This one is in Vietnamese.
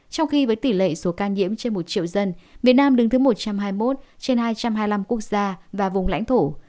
trong khi với tỷ lệ số ca nhiễm trên một triệu dân việt nam đứng thứ một trăm hai mươi một trên hai trăm hai mươi năm quốc gia và vùng lãnh thổ